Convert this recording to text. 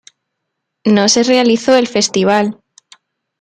No se realizó el festival